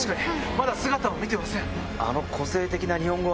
まだ姿を見てません。